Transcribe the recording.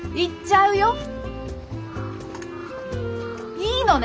いいのね？